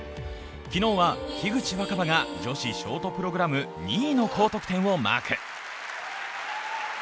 昨日は樋口新葉が女子ショートプログラム２位の高得点をマーク。